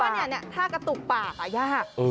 ฉันว่าเนี่ยถ้ากระตุกปากอ่ะยาก